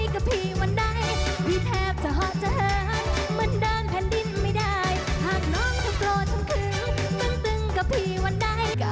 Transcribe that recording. ลาละเล่เอชางวชาก็ดูถ้าจะไม่เทิด